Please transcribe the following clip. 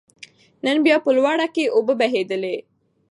نن بيا په لوړه کې اوبه بهېدلې